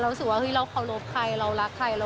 เรารู้สึกว่าเราขอโลภใครเรารักใคร